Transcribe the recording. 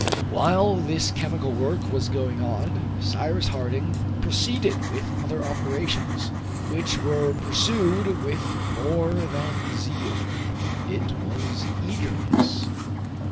While this chemical work was going on, Cyrus Harding proceeded with other operations, which were pursued with more than zeal, it was eagerness.